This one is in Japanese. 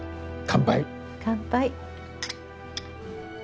乾杯。